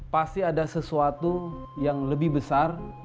pasti ada sesuatu yang lebih besar